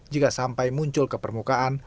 jika sampai muncul ke permukaan